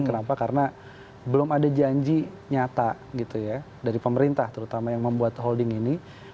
kenapa karena belum ada janji nyata gitu ya dari pemerintah terutama yang membuat holding ini